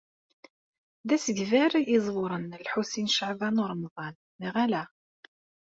D asegbar iẓewṛen, Lḥusin n Caɛban u Ṛemḍan: neɣ aha?